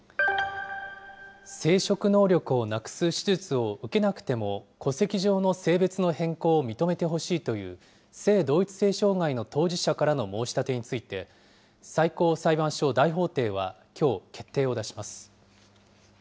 生殖能力をなくす手術を受けなくても、戸籍上の性別の変更を認めてほしいという性同一性障害の当事者からの申し立てについて、最高裁判所大法廷はきょう、決定を出します。